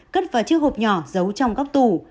cất vào chiếc hộp nhỏ giấu trong góc tủ